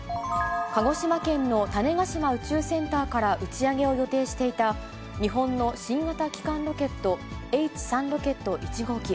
鹿児島県の種子島宇宙センターから打ち上げを予定していた、日本の新型基幹ロケットＨ３ロケット１号機。